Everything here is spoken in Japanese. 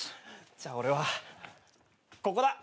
じゃあ俺はここだ。